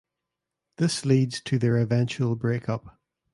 This leads to their eventual breakup.